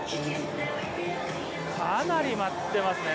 かなり待ってますね。